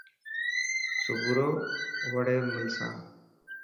سپورو وڙي ملسان.